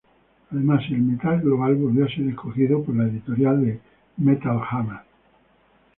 Además, el "metal" global volvió a ser escogido por la editorial de "Metal Hammer".